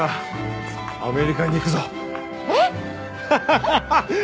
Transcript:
ハハハッ！